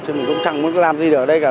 chứ mình cũng chẳng muốn làm gì ở đây cả